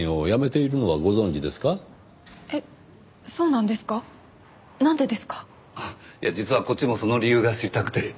いや実はこっちもその理由が知りたくて。